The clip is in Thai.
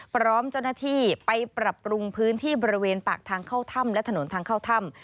พร้อมเจ้าหน้าที่ไปปรับปรุงพื้นที่บริเวณปากทางเข้าถ้ำและถนนทางเข้าถ้ำ